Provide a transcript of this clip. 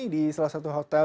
di salah satu hotel